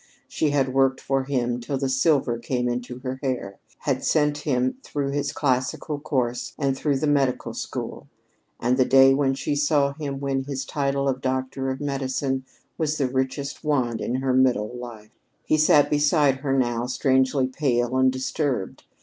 She had worked for him till the silver came into her hair; had sent him through his classical course and through the medical college, and the day when she saw him win his title of doctor of medicine was the richest one of her middle life. He sat beside her now, strangely pale and disturbed.